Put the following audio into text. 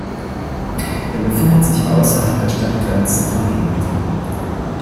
Er befindet sich außerhalb der Stadtgrenzen von Hemet.